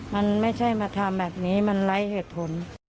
มันไม่ใช่มาทำแบบนี้มันไร้เหตุผล